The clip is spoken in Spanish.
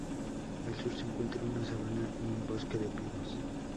Al sur se encuentra una sabana y un bosque de pinos.